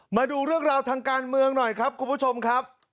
มาดูเรื่องราวทางการเมืองหน่อยครับคุณผู้ชมครับ